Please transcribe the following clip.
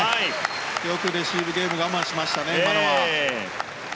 よくレシーブゲーム我慢しましたね、今のは。